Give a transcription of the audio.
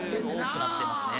多くなってますね。